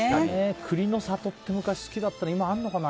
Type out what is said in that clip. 栗の里って昔好きだったけどあるのかな？